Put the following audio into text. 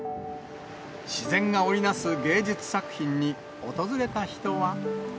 自然が織り成す芸術作品に、訪れた人は。